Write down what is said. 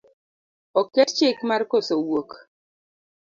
Oket chik mar koso wuok